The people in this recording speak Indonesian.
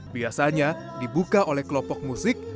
biasanya dibuka oleh kelompok musik